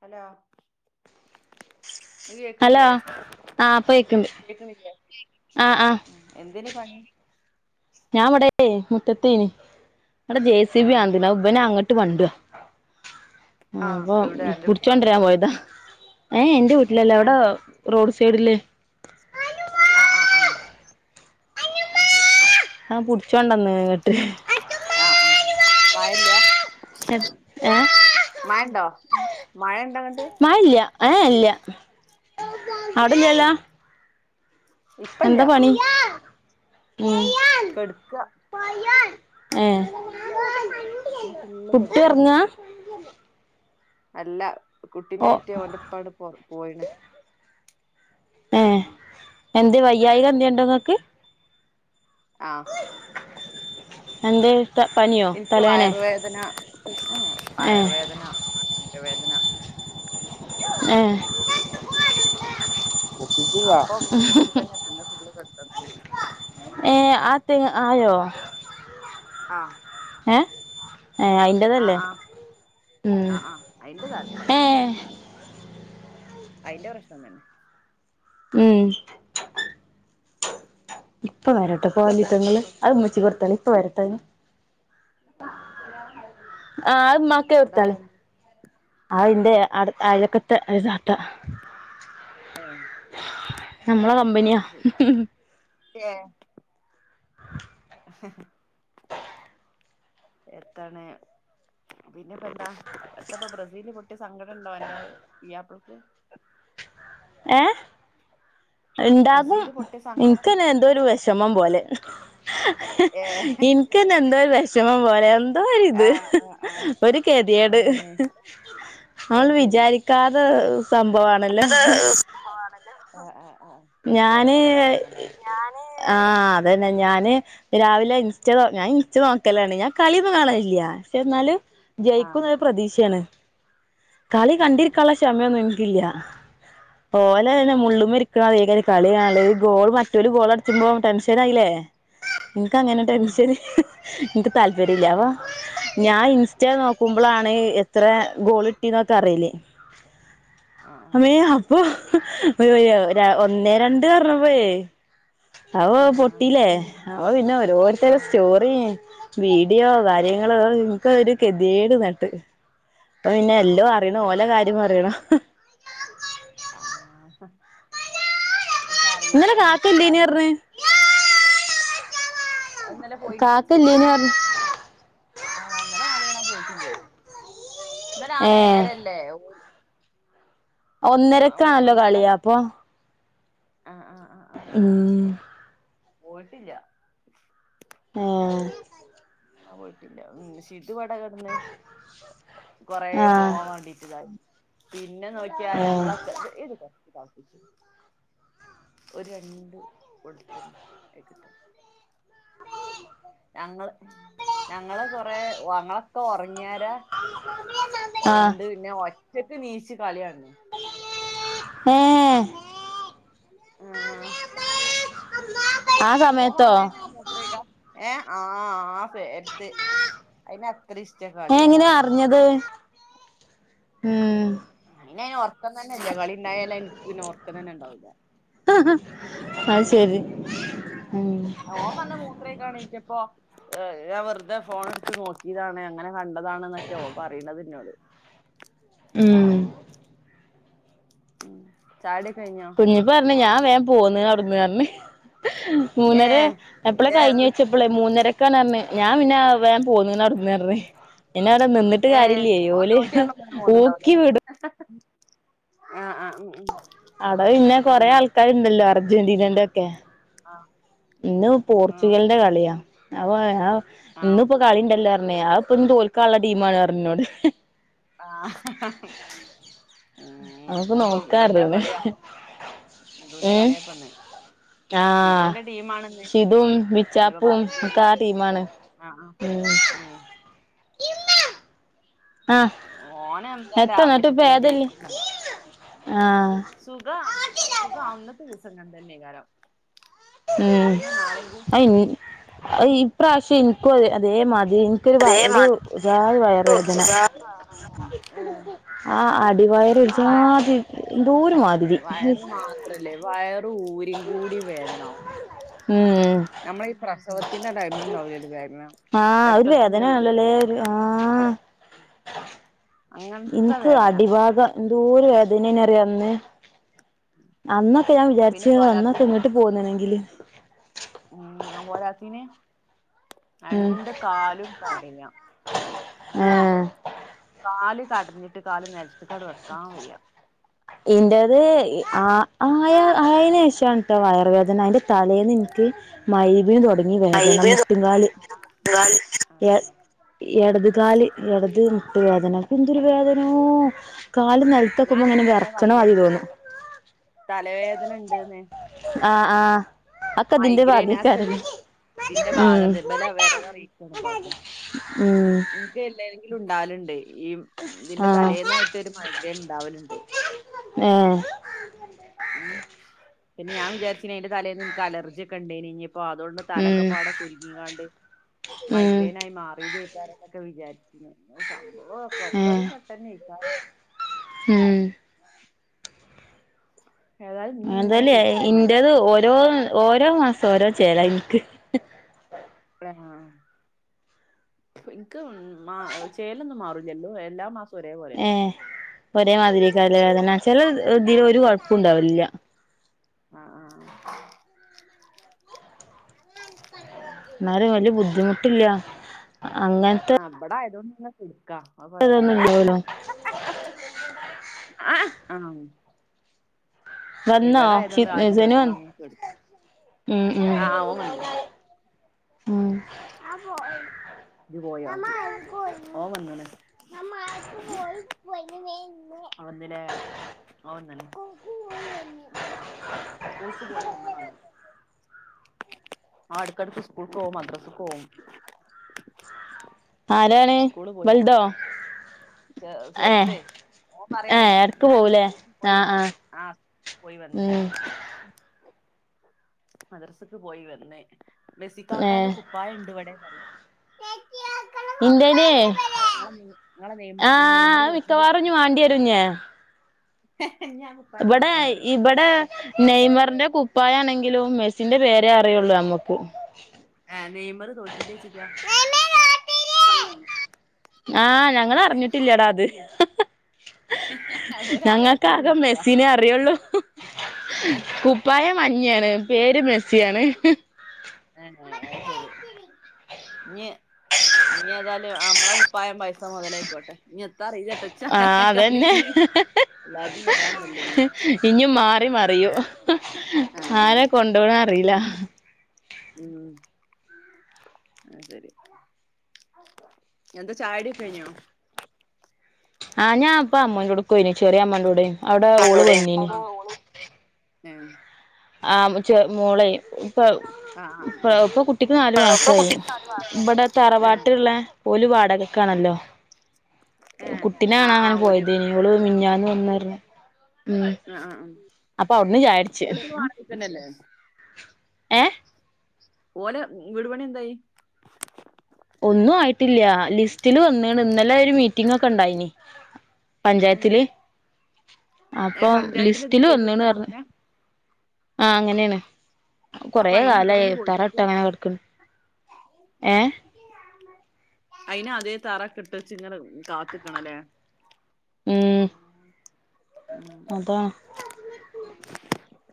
Hello- നീ hello കേക്കണില്ലേ ആപ്പയെക്കണ്ട് ആഹ് ആഹ്- എന്തിന് പണി? ഞാൻ ഇവിടെ മുറ്റത്തേനി ഇവിടെ ജെ സി ഏ ബി ആതിനഇബനെ അങ്ങട്ട് കൊണ്ടുവ. ആഹ് അപ്പൊ ഇവിടെ അന്റെ വീട്ടിലോ പിടിച്ചോണ്ടരാൻ പോയതാ, ഏ യെ ഇന്റെ ഏ വീട്ടിലല്ല അവിടെ. അന്റെ റോഡ് സൈഡിലേ- ആഹ് ആഹ് ആഹ് അത് ശരി, ആഹ് പൊടിച്ചോണ്ടന്ന്ങ്ങട്ട്. ആഹ് ആഹ് വായല്ല? ഹേ- മാണ്ടോ മഴണ്ട അങ്ങട്ട്? മായ ഇല്ല ആഹ് ഇല്ല അവിടെല്ലല്ലോ? ആഹ് ഇപ്പല്ല എന്താ പണി ഉം- കെടുക്ക. ഏഹ് മ് ഫുള്ള് കൊതുക്കാൻ നമുക്ക്. അല്ല ഓ കുട്ടിനെയ്റ്റ് ഓൻന്റെപ്പങ്ങട്ട് പോ പോയിണ്. ഏ എന്ത് വയ്യായികം എന്തണ്ടോ ങ്ങക്ക്? ആഹ എന്തേ? പനിയോ ഇൻക്ക് തലവേനെ വയർുവേദന മ് ഹെ ഏ വയർവേദനരവേദന, ഏ അപ്പം ന്ന് നീച്ചിട്ടെന്നെല ന്ന് ഫുള്ള് കെടുത്തം തന്നെ. ഏ ആത്തെ ആയോ? ആഹ്- ഹെ ഹേ ആയീ ആഹ് ആഹ ആ ആഹ് അയിന്റെതാരം ഏ പഴപ്പൊന്നില്ല അതിന്റെ പ്രശ്നം തന്നെ ഉം ഇപ്പൊ വരട്ടെ കോലിത്തങ്ങള് അപ്പം അത് മുച്ചി കൊടുത്തള ഇപ്പ വരട്ടെ ആഹ അത് മക്കെ അവിടെ ആരാ ഇർത്താളെ ആതിന്റെ അ അഴക്കത്തെ സാട്ട നമ്മളെ കമ്പനിയാ [inaudible] [inaudible] [inaudible] എത്തണ പിന്നെപ്പോ എന്താ പപ്പോ ബ്രസീല് പൊ മറ്റ സങ്കടം ഉണ്ടോ എന്റെറെ വ്യപ്പിളക്ക് ഏഹ ഉണ്ടാകും ബ്രസീല് പൊട്ടിയ സങ്കടം നിനക്ക്ന്നെ എന്തോ ഒരു വിഷമം പോലെ ഏഹ് എനക്ക്ന്നെ എന്തോ ഒരു വിഷമം പോലെ എന്തോ ഇത് ആഹ് ഒരു കെതിയട് ഹ ശരി കാത സംഭവമാണല്ലോ ല്ല ആ ആ ആ് പിന്നെ പോടെ ഞാന് കഥ പറയണല്ലേ ഞ അന്നെ ഞാന് രാവിലെ ഇൻസ്റ്റ ഞാൻ ഇൻസ്റ്റ നോക്കലാണ് ഞാൻ കളിയൊന്നും കാണാനില്ല പക്ഷെ എന്നാല് ആഹ് ജയിക്കുന്ന ഒരു പ്രതീക്ഷയാണ് കളി ആഹ് കണ്ടിരിക്കാനുള്ള ക്ഷമയൊന്നും എനിക്കില്ല. ഓലന്നെ ആഹ് മുള്ളും ആഹ് മരിക്കണ വേഗ കളിണല്ല ഗോൾ മറ്റൊരു ഗോൾ അടത്തുമ്പോ നസരായില്ലേ [inaudible] നിനക്ക് ആഹ് അങ്ങനട്ടെൻഷന് നിനിക്ക് താല്പര്യ ഇല്ല ആഹ് ആഹ് ഞാൻ ഇൻസ്റ്റ നോക്കുമ്പോളാണ് എത്ര ഗോളിട്ടി എന്നൊക്കെ അറിയില്ലേ അമ്മേ ആഹ് അപ്പൊ ഒന്നേ രണ്ട് പറഞ്ഞ പോയേ അവ ആഹ് പൊട്ടിലേ ആഹ് അവ പിന്നെ ഓരോരുത്തരെ ആഹ് പറ്റി സ്റ്റോറി വീഡിയോ കാര്യങ്ങളോ നിങ്ങക്ക് ഒരു കെതിയേട് നട്ട് അപ്പൊ പിന്നെ എല്ലോ ഏഹ് അറിയണം ഓലോ കാര്യം അറിയണം ആ തറില്ല വേ ഇന്നലെ കുപ്പായ കാക്കല്ലേനി മാറ്റ പറഞ്ഞ് അന്നലെ പോയിക്ക്ു കാക്കല്ലേനി പറഞ്ഞ് ഇന്നലെ ആഹ അന്നലെ കള കാണാൻ പോയിട്ടില്ലേ ഇന്നലെ ആ ഏ നേരല്ലേ ഓ ഒന്നരക്കാണല്ലോ കളിയാ അപ്പൊ ആഹ് ആഹ് ആഹ ആഹ ഉം പോയിട്ടില്ല ആഹ ആ പോയിട്ടില്ല ഉ ശിതു വട കിടന്ന കൊറെ ആഹ് പോവാൻ വേണ്ടിട്ടതായിരുന്നു പിന്നെ നോക്കിയാ ഏ ഞങ്ങളൊക്കെ ഇത് ഒരു രണ്ട് കൊടുത്തി ആ കിട്ടെ ഞങ്ങള് ഞങ്ങള് കൊറെ ഞങ്ങളൊക്കെ ഉറങ്ങിയരാ ആഹ് എന്ത് പിന്നെ ഒറ്റക്ക് നീച്ച് കളിയാണേ ആഹ ആ ഓൻ സമയത്തോ വന്ന് കഴിഞ്ഞ മത്രഴിക്കാൻ ഏഹ് ആഹ് ആഹ് ഫേരത്ത് അയിന് അത്ര ഇഷ്ട ഏ കളിയാണ് എങ്ങനെയാ പറഞ്ഞാല് അറിഞ്ഞത് ഉം അയിന് അതിന് ഉറക്കം തന്ന ഇല്ല കളിണ്ടായാലും എനിക്ക് പിന്നെ ഉറക്കം തന്നെ ഉണ്ടാവൂല്ല ആഹ് അയ്‌ശരി ഓൻ വന്ന് മൂത്രം ഒഴിക്കാൻ എന്നിറ്റപ്പോ ഏഹ് ഞാൻ വെറുതെ ഫോൺ എടുത്ത് നോക്കിയതാണ് അങ്ങനെ കണ്ടതാണ് എന്നൊക്കെയാ ഓൻ പറയണത് എന്നോട് ഉം ഉ ചായട കഴഞ്ഞോ ഇനിയിപ്പ പറഞ്ഞ ഞാ വേൻ പോന്ന് അവിടന്ന് പറഞ്ഞ് മൂന്നേര ഏഹ് എപ്പളെ കഴിഞ്ഞ് ഏഹ് വെച്ച അപ്പളെ മൂന്നേരക്കന്ന്റഞ്ഞ് ഞാൻ പിന്നെ വേഗം പോന്ന്ണ് അവട്ന്ന്റഞ്ഞ് പിന്നെ അവിടെ നിന്നിട്ട് ഏഹ് കരില്ല്യ ഓൻ ഓല് തോട്ടി പറഞ്ഞ പോന്നുണ്ടാവുല്ലേ ഊക്കി വിടും ആഹ് ആഹ് ഉം ഉം അവിടെ പിന്നെ കൊറെ ആൾക്കാരുണ്ടല്ലോ അർജന്റീനന്റെക്കെ ആഹ് ഇന്ന് പോർച്ചുഗലിന്റെ കളിയാ അപ്പൊ ആഹ് ആഹ് ആഹ് ഇന്ന്പ്പോ കളി ഉണ്ടല്ലോ പാ പിന്നെ ആഹ് ഇപ്പൊ തോൽക്കാനുള്ള ടീമാണ് പറഞ്ഞ് ഇന്നോട് ആഹ് ഉം നമുക്ക് ഇന്ന്പ്പം നോക്കാ ഇവൻ്റെ പറഞ്ഞ് കളിയാ ഇംഗ്ലണ്ടിൻ്റെ ഏഹ് കളിയാപ്പംന്ന് സിതുവിന്റെ ആഹ് ടീം ആണന്ന് ഷിദും ഇപ്പ ബിച്ചാപ്പും പറയെണ്ടി വരില്ല ഒക്കെ ആ ടീമാണ് ആഹ് ആഹ് ഉം ഇമ്മ ഓനെന്താലും എത്ത ന്നട്ട് ഇപ്പ ആവേശത്തില ഏതല്ലേ ജയിക്കൂന്ന് ആഹ് സുഖ സുഖ അന്നത്തെ ദിവസം അങ്ങനെതന്നെക്കാരം ഉം അത് ഇന് ഈ പ്രാവശ്യം ഇനിക്കും അതേമാതിരിനി ഇക്ക് വ ഒരു ജാതി വയറു വേദന ഏഹ് ആഹ് അടിവയറ് ഒരു അല്ല വയ ജാതി എന്തോരുമാതിരി അത്രല്ലേ വയറും ഊരികൂടി വേദനവും ഉം നമ്മള് ഈ പ്രസവത്തിന്റെ ടൈം മില്ല്ഉണ്ടാവുലെ ഒരു വേദന ആഹ് അത് ഇടക്കിടക്ക് ഇങ്ങനെ വരും ഓരോ വേദനയാണല്ലല്ലേ വേദന ആഹ് അങ്ങനത്തെ എനിക്ക് വേദന അടിഭാഗം എന്തോരു വേദനേന്നെന്ന് അറിയോ അന്ന് അന്നൊക്കെ ഞാൻ പിന്നെ വിചാരിച്ച് അന്നൊക്കെ പോരാത്തിന് ഇങ്ങട്ട് പോന്ന്ണെങ്കില് ഉം ആ പോരാത്തേന് ഉം രണ്ട് കാലും കടയ ഏഹ് കാല് കടഞ്ഞിട്ട് കാല് നലത്ത്ക്കാട് വെക്കാൻ വയ്യ എന്റേത് ആഹ് ആയ ആയന് ശേഷാണ് ട്ടോ വയറുവേദന അതിൻ്റെ തലേന്ന് എനിക്ക് മൈവി തുടങ്ങി വേദന മുട്ടുംങ്കാല് മുട്ടുംങ്കാല് ഇടത്കാല് ഇടത് മുട്ട വേദന എന്തൊരു വേദനയോ കാല് നൽ ഞാൻ അനോട് ഇന്നലെ പറഞ്ഞിലേ ക്കും തലവേദന ഉണ്ട്ന്ന് ആഹ് ആഹ് അതൊക്കെ ഇതിന്റെ മൈഗ്രൈനേ ഭാഗ്യേക്കാരം അക്കതിൽ ഇതിന്റെ ഉം ഭാഗത്ത് ഇവലെ വരവറി ഉം എല്ലങ്കിലും ഉണ്ടാവലുണ്ട് ഈ ഇതിന്റെ ആഹ് തലേന്നായിട്ട് ഒരു മൈ വേ ഉണ്ടാവലുണ്ട് ഏഹ് ഉം പിന്ന ഞാൻ വിചാരിച്ചിനി അതിൻ്റെ തലേന്ന് നിനക്ക് അലർജി ഒക്കെ ഉണ്ടെന്ന് ഇനി അപ്പോ അതൊണ്ട് ഉം തലക്കെപ്പാടെ കുലുങ്ങിങ്ങാണ്ട് ഉം മൈഗ്രൈൻ ആയി മാറിയതേക്കാരം നൊക്കെ വിചാരിച്ച്ന് സംഭവൊക്കെ ഒക്കെ ഏഹ് ഇതില് പെട്ടെത്തേക്കാരം ഉം ഏതായാലും ഇന്ന് ഇങ്ങനെ എന്തായലും കെടക്കന്നെ ഇന്റേത് ഓരോ ഓരോ മാസം ഓരോ ചേല എനിക്ക് ആഹ് ഇനിക്ക് മാ ചേലൊന്നും മാറില്ല എല്ലോ എല്ലാ മാസ ഏഹ് ഒരേ മാതിരിക്കാല്ലെ വേദന ചെല ഇതില് ഒരു അതേ കൊഴപ്പോണ്ടാവില്ല ആഹ് ആഹ് ആഹ് ഉം എന്നാലും വെല്യ ബുദ്ധിമുട്ടില്ല ആഹ് അങ്ങനെ ആഹ് ഇബടെ ആയത്തോണ്ട് പിന്നെ സിരിക്കാ അത് കൊഴപ്പല്ല ഇതൊന്നുംല്ലല്ലോ ആഹ് വന്നോ ഇവിടെ ആയതൊണ്ട് ആരും [unintelligible] സെനു ഇല്ലാത്തോണ്ട് വന്ന് അങ്ങനെ കേടു ഉം ഉം ആ ആ ഓൻ വന്ന് ഉം ഓൻ വന്നണ് ആഹ് വന്ന്ല്ലേ ഓഹ് വന്നണ് ആഹ് ആഹ് സ്‌കൂൾക്ക് പോയി വന്നണോന് ആഹ് എടക്കടെക്ക് സ്കൂൾക്ക് പോവും മദ്രസ്സക്ക് പോവും ആരാണ് സ്കൂള് പോയി വന്ന് വെൽതോ? ചെ ചെർതെ ഓൻ ഏ പറയാണേ ഇടക്ക് ഞാൻ പോവൂലേ സ്കൂൾക്ക് പോയി ആഹ് വന്ന് ആഹ് പോയി വന്ന് ഉം മദ്രസ്സക്ക് പോയി വന്ന് ഏ മെസിക്കാക്കാന്റെ കുപ്പായണ്ട് ഇവിടെ പറയ് ഇന്റേന് ആ [inaudible] നെയമ്പർ തോറ്റി മിക്കവാറും ഇനി വേണ്ടി വരും [unintelligible] ഇബടെ പറയും ഇബടെ നെയ്മറിന്റെ കുപ്പായണെങ്കിലും മെസ്സിന്റെ പേരെ അറിയുള്ളു ഞമ്മക്കും ആഹ് നെയ്മറ് തോറ്റില്ലേയ്ച്ചോക്കിയാ ആഹ് ഞങ്ങളറിഞ്ഞിട്ടില്ലടാ അത് ഞങ്ങക്ക് ഒരറിയാത്തവര് ആകെ നിക്കുക മെസ്സിനെ അറിയുള്ളു കുപ്പായം മഞ്ഞയാണ് പേര് മെസ്സിയാണ് ഏഹ് ഏഹ് അത് ശരി ഇനീ ഇന്നി ഏതായായും അമ്മളെ കുപ്പായം പൈസ മൊതലായിക്കോട്ടെ ഇനീ എത്താറായില്ലാട്ടാ ഇ ആഹ് അതന്നെ അല്ലാതെ വരാണ്ടല്ലോ ഇനി ഇന്നി മാറി മറിയൂ ആ, ആരാ കൊണ്ടോണെ അറിയില്ല ഉം അത് ശരി എന്താ ചായ കുടിയൊക്കെ കയിഞ്ഞോ? ആഹ് ഞാൻ അപ്പ അമ്മോൻ്റോടെക്ക് പോയിന് ചെറിയ അമ്മോൻ്റോടെ അവിടെ ഓള് വന്നീന് ഏഹ് ആഹ് മ് ചെ മോളെ ഇപ്പ ആ ആ, ഇപ്പ ഇപ്പൊ കുട്ടിക്ക് നാലു ആ ഇപ്പൊ മാസായി കുട്ടിക്ക് നാല് മാസമായി ഇവിടെ ഏ തറവാട്ടിൽള്ള ഓല് വാടകെക്ക് ആണല്ലോ [inaudible] ഏഹ് കുട്ടിനെ ആഹ് കാണാൻ ഇങ്ങനെ ആഹ് ഓല് പോയതേനി ഓള് ആഹ് മിഞ്ഞാന്ന് വന്ന് പറഞ്ഞ് ഉം ആഹ് ആഹ് അപ്പൊ അവിടന്ന് ചായൊടിച്ച് [unintelligible] ഏഹ് ഓലെ വീടുപണി എന്തായി? ഒന്നും ആയിട്ടില്ല ലിസ്റ്റില് വന്ന്ണ് ഇന്നലെ ഒരു മീറ്റിംഗൊക്കെ ഇണ്ടായിനി ഉം പഞ്ചായത്തില് അപ്പൊ ഏഹ് പഞ്ചായത്തിന്റെ ലിസ്റ്റില് ഇതിക്ക് എഴുതി വന്ന്ണ് കൊടുത്താണ് പറഞ്ഞ് അങ്ങനെ ആഹ് അങ്ങനെയാണ് കൊറെ അപ്പൊ അയിന് ഇപ്പ കാലായി തന്നെ തറ ഇട്ട് പൊളിച്ചിട്ട് അങ്ങനെ കെടക്കണ് ഏഹ് അയിനാത്യേ തറക്കെ ഇട്ട് വെച്ച് ഇങ്ങനെ കാത്ത്ക്കണല്ലേ [inaudible] അതാ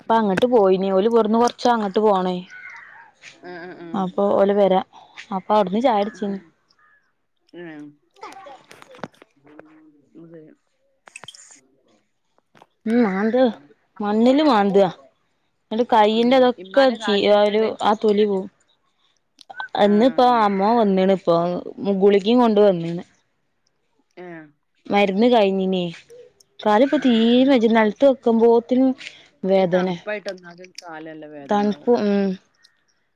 അപ്പൊ അങ്ങോട്ട് പോയിന ഓല പുറന്ന് കൊറച്ച് ഉച്ചാ അങ്ങോട്ട് പോണേ ആഹ് ആഹ് ആഹ് അപ്പോൾ ഓല വരാ അപ്പൊ അവിടുന്ന് ഉം ചായടിച്ചീനി ആഹ് [unintelligible] ഉം മാന്താ മണ്ണില് മാന്താ ഒരു ഉം കൈയിൻന്റെതൊക്കെ ഇമ്മാന്റെ കാലിന് ഒരു എങ്ങനെണ്ട് ആഹ് തൊലി പോവും അന്ന് ഇപ്പോ ആഹ് അമ്മ വന്നിണ് ഇപ്പോ ഗുകളിഗേം കൊണ്ട് വന്നിണ് ആഹ് മരുന്ന് കഴിഞ്ഞിനേ കാല ഇപ്പ ആഹ് ആഹ് തീരെ ആഹ് വ നിലത്ത് വെക്കുമ്പോത്തിനും ഈ വേദന തണുപ്പായിട്ട്ന്നാ ഒരു കാലല്ല തണുപ്പ് ഉം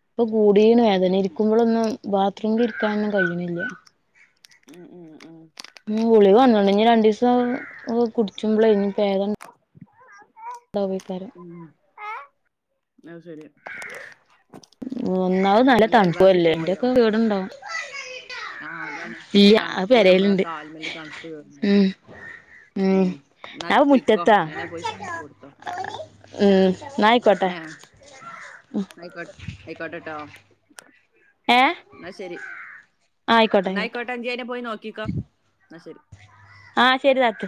ഇപ്പൊ കൂടിയന ഉം വേദനയിരിക്കും നോക്ക്പോളൊന്നും ബാത്റൂമിൽ ഇരിക്കാനൊന്നും കഴിയുന്നില്ല ഉം ഉം ഉം ഗുളിക വന്നിണ്ട ഇനി രണ്ടു ദിവസം കുടിച്ചുമ്പോള ഇനി വേദ ആഹ് അന്ത വിക്കാരം ഉം അത് ശരിയാ ഒന്നാാവ നല്ല അന്റെ അയൽവാസി തണുപ്പുല്ലേ പോയോ എന്റെയൊക്കെ വീടുണ്ടാവും ആഹ് അതാണ് ഇല്ല അത് തണുപ്പ് നമ്മളെ പെരേലുണ്ട് കാൽമല്ല് തണുപ്പ് കേറ ഉം ഏ ഉം ഞാൻ എന്നതിപ്പോക്കോ മുറ്റത്താ അയിനെ പോയി ചായക്കച് കൊടുത്തോ ഉം നായി ആഹ് ആയിക്കോട്ടെ ആയിക്കോട്ടെട്ടോ ഏ എന്നാ ശരി ആയിക്കോട്ടെ ആയിക്കോട്ടെ നായിക്കോട്ട ട്ടഞ്ചേനെ പോയി നോക്കിക്ക എന്നാ ശരി ആഹ് ശരി താത്ത്